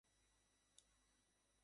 মুক্তিয়ার খাঁ ফিরিয়া আসিল।